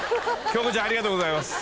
京子ちゃんありがとうございます。